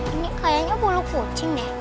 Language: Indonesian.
ini kayaknya bulu kucing deh